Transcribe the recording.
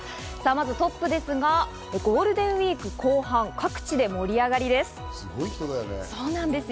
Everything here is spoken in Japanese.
まずトップですが、ゴールデンウイーク後半、各地で盛り上がりです。